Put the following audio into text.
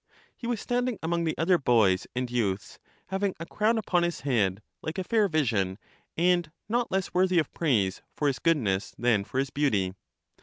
He was standing among the other boys and youths, having a crown upon his head, like a fair vision, and not less worthy of praise for his goodness than for his beauty.